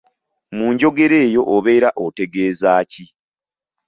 Mu njogera eyo obeera otegeeza ki?